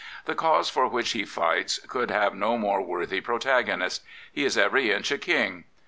The cause for which he fights could have no more worthy protagonist. He is every inch a King.